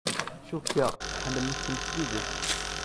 Cukkeɣ ḥemmlent-kem s tidet.